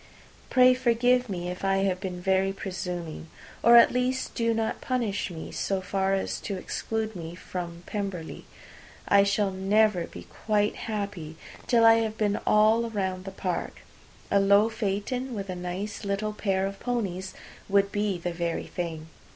Pray forgive me, if I have been very presuming, or at least do not punish me so far as to exclude me from P. I shall never be quite happy till I have been all round the park. A low phaeton with a nice little pair of ponies would be the very thing.